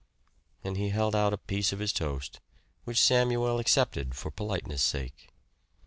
And he held out a piece of his toast, which Samuel accepted for politeness' sake.